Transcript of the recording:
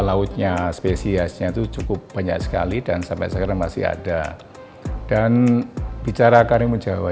lautnya spesiesnya itu cukup banyak sekali dan sampai sekarang masih ada dan bicara karimun jawa